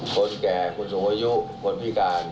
คนแก่คนสูงอายุคนพิการ